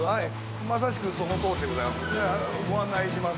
まさしくそのとおりでございます。